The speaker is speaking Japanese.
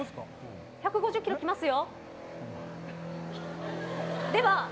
１５０キロ来ますよ。